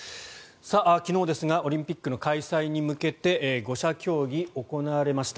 昨日ですがオリンピックの開催に向けて５者協議が行われました。